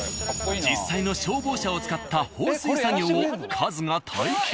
実際の消防車を使った放水作業をカズが体験。